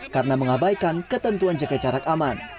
karena mengabaikan ketentuan jaga jarak aman